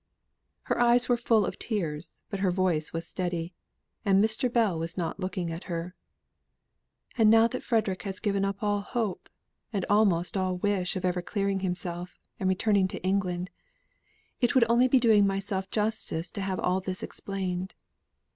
Her eyes were full of tears, but her voice was steady, and Mr. Bell was not looking at her. "And now that Frederick has given up all hope, and almost all wish of ever clearing himself, and returning to England, it would be only doing myself justice to have all this explained.